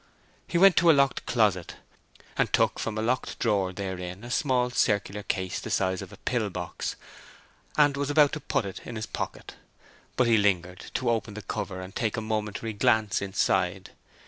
Then he went to a locked closet, and took from a locked drawer therein a small circular case the size of a pillbox, and was about to put it into his pocket. But he lingered to open the cover and take a momentary glance inside.